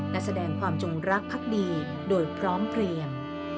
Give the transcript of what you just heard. และแสดงความจงรักพักดีโดยพร้อมเพลียง